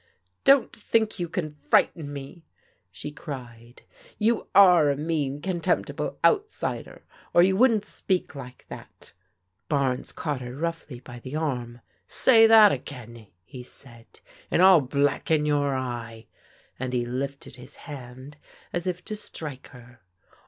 ••Don't think you can frighten me," she cried. "Ycm ore a mean, contemptible outsider, or you wouldn't speak like that" Barnes caught her roughly by the arm, *'Say that again/' he said, " and I'll blacken your eye," and he lifted his hand as if to strike her.